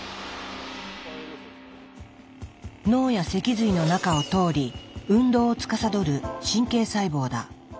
脳や脊髄の中を通り運動をつかさどる神経細胞だ。